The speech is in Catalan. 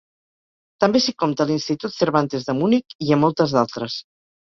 També s'hi compta a l'Institut Cervantes de Munic, i a moltes d'altres.